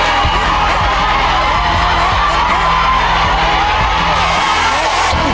ออกไป